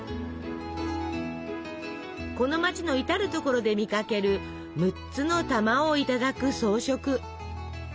この街の至る所で見かける６つの玉をいただく装飾。